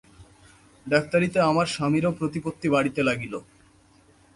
ডাক্তারিতে আমার স্বামীরও প্রতিপত্তি বাড়িতে লাগিল।